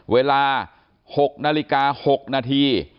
เวลา๖นาฬิกา๖นาที